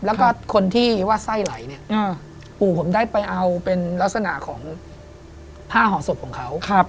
แล้วก็คนที่ว่าไส้ไหลเนี่ยปู่ผมได้ไปเอาเป็นลักษณะของผ้าห่อศพของเขา